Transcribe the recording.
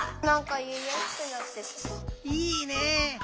いいね！